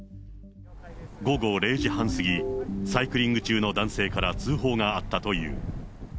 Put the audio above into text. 午後０時半過ぎ、サイクリング中の男性から通報があったという。